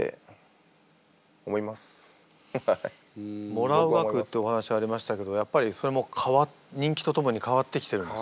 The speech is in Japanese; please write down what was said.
もらう額ってお話ありましたけどやっぱりそれも人気とともに変わってきてるんですか？